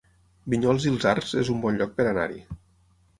Vinyols i els Arcs es un bon lloc per anar-hi